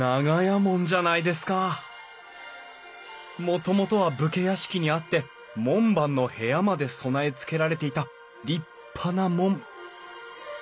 もともとは武家屋敷にあって門番の部屋まで備えつけられていた立派な門。